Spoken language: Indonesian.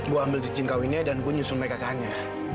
gue ambil cincin kawinnya dan gue nyusun mereka kanya